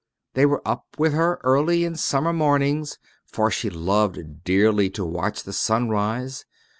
They were up with her early in summer mornings, for she loved dearly to watch the sun rise.